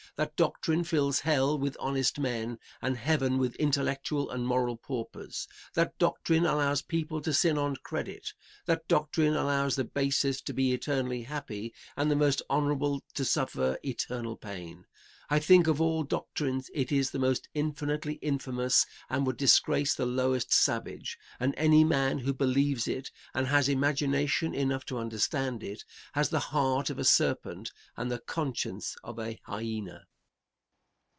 That doctrine fills hell with honest men, and heaven with intellectual and moral paupers. That doctrine allows people to sin on credit. That doctrine allows the basest to be eternally happy and the most honorable to suffer eternal pain. I think of all doctrines it is the most infinitely infamous, and would disgrace the lowest savage; and any man who believes it, and has imagination enough to understand it, has the heart of a serpent and the conscience of a hyena. Question.